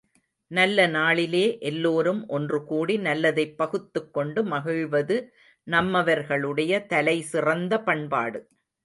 நல்ல நாளிலே எல்லோரும் ஒன்றுகூடி நல்லதைப் பகுத்துக்கொண்டு மகிழ்வது நம்மவர்களுடைய தலை சிறந்த பண்பாடு.